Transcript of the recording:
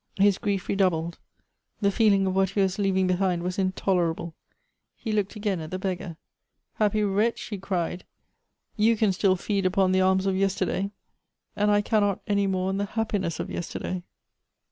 His grief redoubled. The feeling of what he was leaving be hind was intolerable. He _ looked again at the beggar. " Happy wretch !" he cried, " you can still feed upon the arms of yesterday — and I cannot any more on the hap piness of yesterday